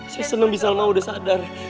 saya seneng bisa ma udah sadar